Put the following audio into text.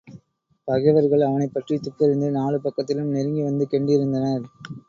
பகைவர்கள் அவனைப் பற்றித் துப்பறிந்து நாலு பக்கத்திலும் நெருங்கி வந்து கெண்டிருந்தனர்.